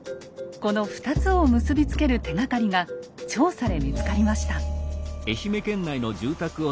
この２つを結び付ける手がかりが調査で見つかりました。